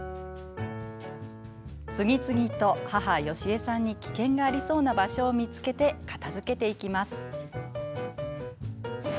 次々と母・よしえさんに危険がありそうな場所を見つけて片づけていきます。